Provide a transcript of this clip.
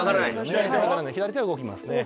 左手は動きますね。